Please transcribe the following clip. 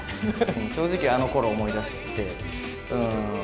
正直、あのころ思い出して。